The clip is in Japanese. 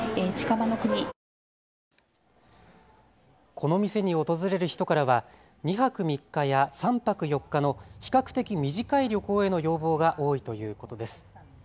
この店に訪れる人からは２泊３日や３泊４日の比較的短い旅行への要望が多いということです。